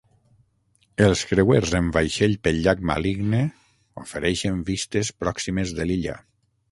Els creuers en vaixell pel llac Maligne ofereixen vistes pròximes de l'illa.